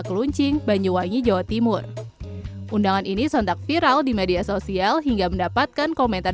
keluncing banyuwangi jawa timur undangan ini sontak viral di media sosial hingga mendapatkan komentar